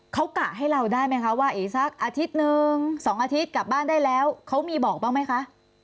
เขากะให้เราได้ไหมคะว่าอีกสักอาทิตย์หนึ่ง๒อาทิตย์กลับบ้านได้แล้วเขามีบอกบ้างไหมคะ